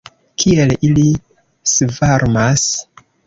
Kiel ili svarmas!